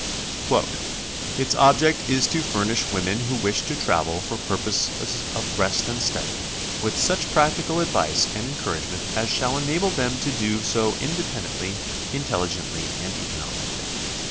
"Its object is to furnish women who wish to travel for purposes of rest and study, with such practical advice and encouragement as shall enable them to do so independ ently, intelligently, and economically.